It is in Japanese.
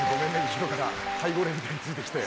後ろから背後霊みたいについてきて。